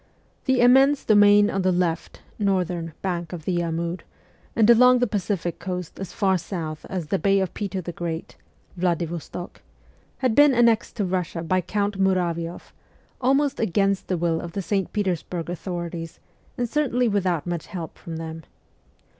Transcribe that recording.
The immense domain on the left (northern) bank of the Amur, and along the Pacific Coast as far south as the Bay of Peter the Great (Vladivostok), had been annexed to Bussia by Count Muravioff, almost against the will of the St. Petersburg authorities and certainly without much help from them.